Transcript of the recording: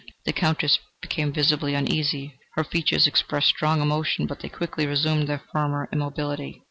The Countess became visibly uneasy. Her features expressed strong emotion, but they quickly resumed their former immobility.